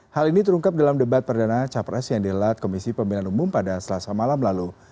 hal ini terungkap dalam debat perdana capres yang dilelat komisi pemilihan umum pada selasa malam lalu